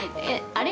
あれ？